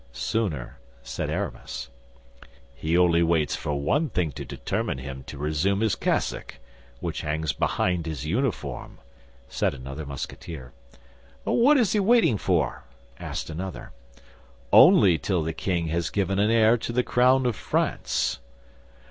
"Sooner," said Aramis. "He only waits for one thing to determine him to resume his cassock, which hangs behind his uniform," said another Musketeer. "What is he waiting for?" asked another. "Only till the queen has given an heir to the crown of France."